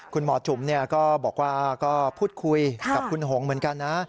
คุณหมอจุ๋มก็บอกว่าก็พูดคุยกับคุณหงเหมือนกันนะ